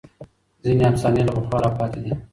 ځینې افسانې له پخوا راپاتې دي.